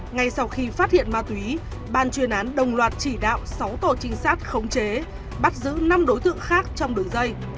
ngay sau khi phát hiện ma túy ban chuyên án đồng loạt chỉ đạo sáu tổ trinh sát khống chế bắt giữ năm đối tượng khác trong đường dây